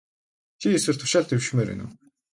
Чи эсвэл тушаал дэвшмээр байна уу?